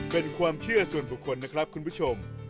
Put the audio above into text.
เป็นความเชื่อส่วนบุคคลนะครับคุณผู้ชม